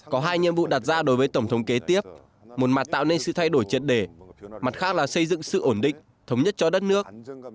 có hai nhiệm vụ đặt ra đối với tổng thống kế tiếp một mặt tạo nên sự thay đổi triệt để mặt khác là xây dựng sự ổn định thống nhất cho đất nước